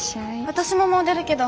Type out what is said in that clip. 私ももう出るけど